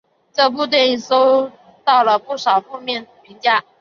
这部电影收到了不少的负面评价。